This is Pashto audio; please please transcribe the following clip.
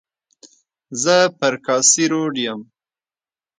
زه پر کاسي روډ یم.